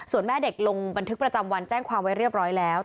ส่วนแม่เด็กลงบันทึกประจำวันแจ้งความไว้เรียบร้อยแล้ว